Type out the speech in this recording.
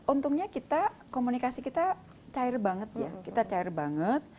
untungnya kita komunikasi kita cair banget ya kita cair banget